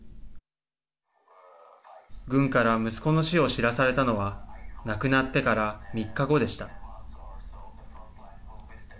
軍から息子の死を知らされたのは亡くなってから３日後でした。